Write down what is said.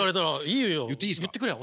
いいよ言ってくれ。